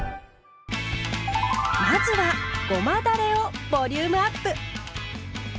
まずはごまだれをボリュームアップ！